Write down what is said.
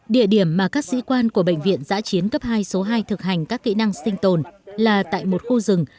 địa điểm mà các sĩ quan của bệnh viện giã chiến cấp hai số hai thực hành các kỹ năng sinh tồn là tại một khu rừng